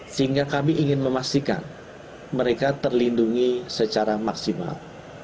sehingga kami ingin memastikan mereka terlindungi secara maksimal